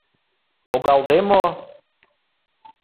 — Логалде мо?